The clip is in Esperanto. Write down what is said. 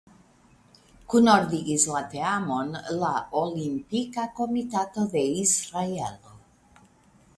Kunordigis la teamon la Olimpika Komitato de Israelo.